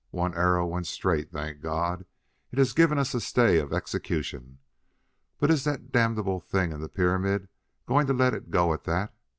One arrow went straight, thank God! It has given us a stay of execution. But is that damnable thing in the pyramid going to let it go at that?